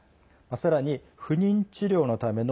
さらに不妊治療のための